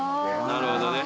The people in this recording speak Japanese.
なるほどね。